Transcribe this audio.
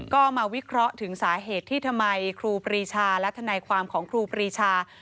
ก็มาวิเคราะห์ถึงสาเหตุที่ทำไมครูปรีชาและทนายความของครูปรีชา